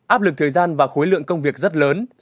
áp lực thời gian và khối lượng công việc rất lớn